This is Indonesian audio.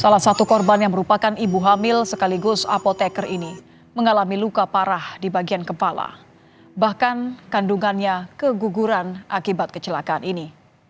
salah satu korban yang merupakan ibu hamil sekaligus apoteker ini mengalami luka parah di bagian kepala bahkan kandungannya keguguran akibat kecelakaan ini